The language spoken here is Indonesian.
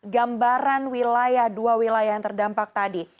gambaran wilayah dua wilayah yang terdampak tadi